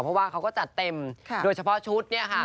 เพราะว่าเขาก็จัดเต็มโดยเฉพาะชุดเนี่ยค่ะ